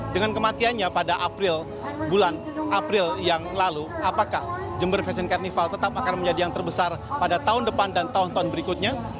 dengan kematiannya pada april bulan april yang lalu apakah jember fashion carnival tetap akan menjadi yang terbesar pada tahun depan dan tahun tahun berikutnya